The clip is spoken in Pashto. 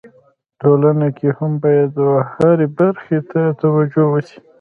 ټولنه کي هم باید و هري برخي ته توجو وسي.